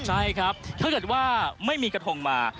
ใช่ครับถ้าเกิดว่าไม่มีกระทงมา